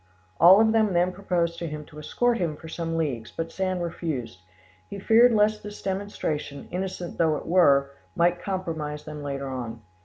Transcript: All of them then proposed to him to escort him for some leagues, but Sand refused; he feared lest this demonstration, innocent though it were, might compromise them later on.